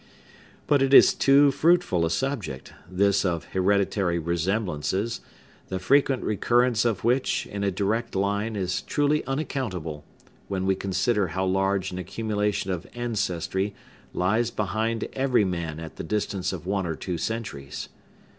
But it is too fruitful a subject, this of hereditary resemblances,—the frequent recurrence of which, in a direct line, is truly unaccountable, when we consider how large an accumulation of ancestry lies behind every man at the distance of one or two centuries.